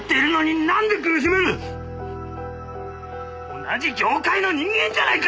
同じ業界の人間じゃないか！